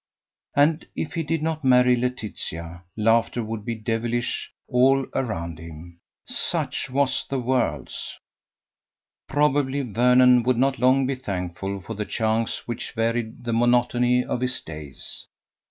And if he did not marry Laetitia, laughter would be devilish all around him such was the world's! Probably Vernon would not long be thankful for the chance which varied the monotony of his days.